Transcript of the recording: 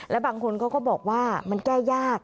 และบางคนเขาก็บอกว่ามันแก้ยาก